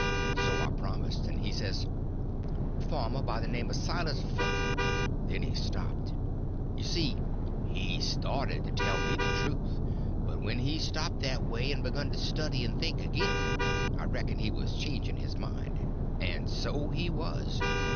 So I promised, and he says: "A farmer by the name of Silas Ph—" and then he stopped. You see, he started to tell me the truth; but when he stopped that way, and begun to study and think again, I reckoned he was changing his mind. And so he was.